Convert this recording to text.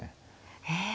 へえ。